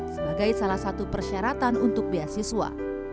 sebagai salah satu persyaratan untuk beasiswa